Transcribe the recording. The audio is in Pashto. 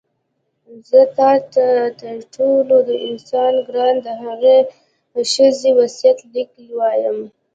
زه تا ته تر ټولې دنیا ګرانه د هغې ښځې وصیت لیک وایم.